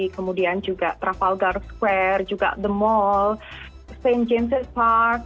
kemudian juga travelgar square juga the mall st james park